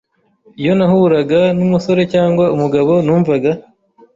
iyo nahuraga n’umusore cyangwa umugabo numvaga